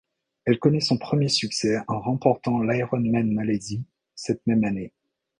Elle connait son premier succès en remportant l'Ironman Malaisie cette même année.